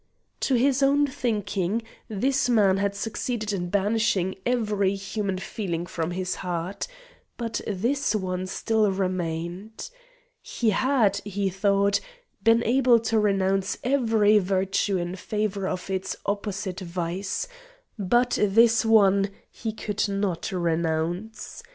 To his own thinking, this man had succeeded in banishing every human feeling from his heart but this one still remained. He had, he thought, been able to renounce every virtue in favour of its opposite vice but this one he could not renounce.